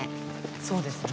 そうですね。